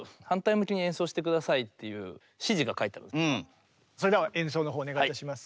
要はそれでは演奏のほうをお願いいたします。